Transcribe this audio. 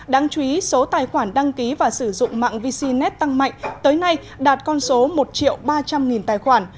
đáng chú ý số tài khoản đăng ký và sử dụng mạng vcnet tăng mạnh tới nay đạt con số một ba trăm linh tài khoản